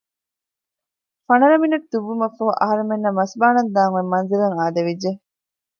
ފަނަރަ މިނެޓު ދުއްވުމަށްފަހު އަހަރެމެންނަށް މަސްބާނަން ދާން އޮތް މަންޒިލަށް އާދެވިއްޖެ